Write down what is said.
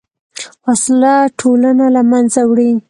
وسله ټولنه له منځه وړي